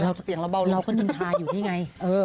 อ้าวเราก็ลินทาอยู่นี่ไง